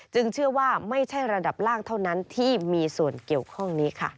เชื่อว่าไม่ใช่ระดับล่างเท่านั้นที่มีส่วนเกี่ยวข้องนี้ค่ะ